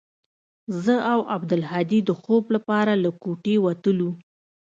زه او عبدالهادي د خوب لپاره له كوټې وتلو.